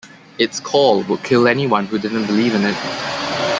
Its call would kill anyone who didn't believe in it.